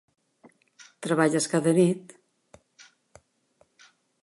Treballes cada nit?